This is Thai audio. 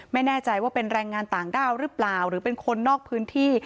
ไม่แน่ใจว่าเป็นแรงงานต่างด้าวหรือเปล่าหรือเป็นคนนอกพื้นที่